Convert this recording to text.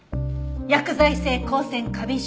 薬剤性光線過敏症。